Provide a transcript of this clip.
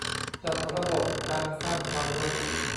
จัดระบบการสร้างความรู้